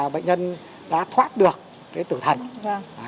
bệnh nhân đã thoát được cái tử thảnh